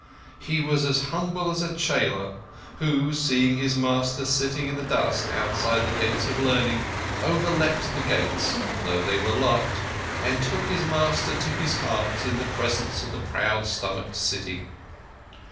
He was as humble as a chela who, seeing his master sitting in the dust outside the Gates of Learning, over leapt the gates (though they were locked) and took his master to his heart in the presence of the proud stomached city.